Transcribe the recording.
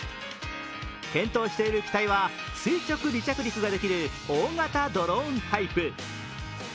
検討している機体は垂直離着陸ができる大型ドローンタイプ。